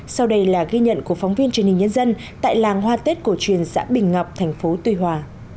sau đây là ghi nhận của phóng viên truyền hình nhân dân tại làng hoa tết cổ truyền xã bình ngọc thành phố tuy hòa